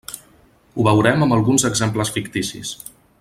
Ho veurem amb alguns exemples ficticis.